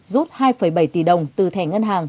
rút hai bảy tỷ đồng từ thẻ ngân hàng